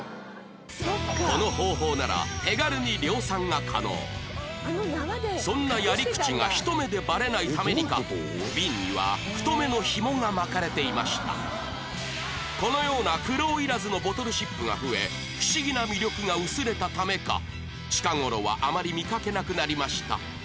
この方法ならそんなやり口がひと目でバレないためにか瓶にはこのような苦労いらずのボトルシップが増え不思議な魅力が薄れたためか近頃はあまり見かけなくなりました